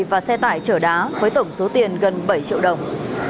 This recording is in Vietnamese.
và xe tải chở đá với tổng số tiền gần bảy triệu đồng